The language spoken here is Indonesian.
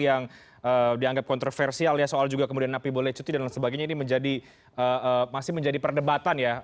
yang dianggap kontroversial ya soal juga kemudian napi bole cuti dan sebagainya ini menjadi masih menjadi penurunan dan pembunuh dari pemindahan korupsi